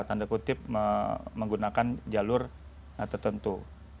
tanda kutip menggunakan jalur tertentu